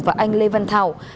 và anh lê văn thảo